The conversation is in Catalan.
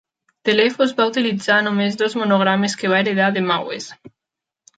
Telephos va utilitzar només dos monogrames que va heretar de Maues.